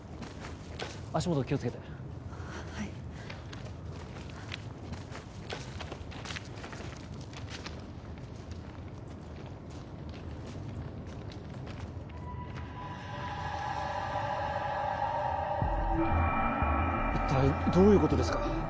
足元気をつけてはい一体どういうことですか？